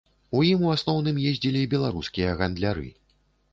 У ім у асноўным ездзілі беларускія гандляры.